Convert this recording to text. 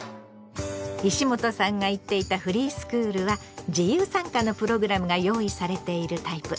石本さんが行っていたフリースクールは自由参加のプログラムが用意されているタイプ。